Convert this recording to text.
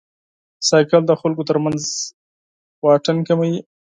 بایسکل د خلکو تر منځ فاصلې کموي.